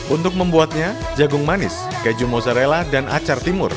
untuk membuatnya jagung manis keju mozzarella dan acar timur